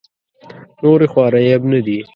نورې خوارۍ عیب نه دي.